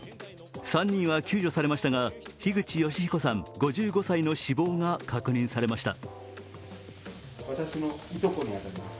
３人は救助されましたが樋口善彦さん５５歳の死亡が確認されました。